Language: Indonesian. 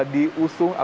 diusung atau perusahaan